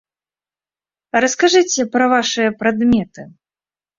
А раскажыце пра вашыя прадметы.